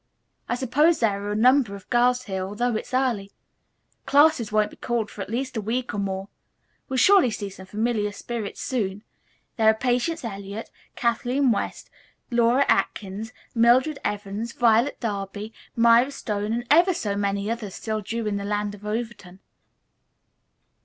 I suppose there are a number of girls here, although it's early. Classes won't be called for at least a week or more. We'll surely see some familiar spirits soon. There are Patience Eliot, Kathleen West, Laura Atkins, Mildred Evans, Violet Darby, Myra Stone and ever so many others still due in the land of Overton."